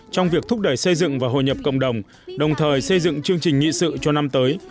trong việc thúc đẩy xây dựng và hồi nhập cộng đồng đồng thời xây dựng chương trình nghị sự cho năm tới